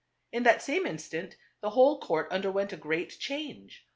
In that same instant the whole court underwent a great change.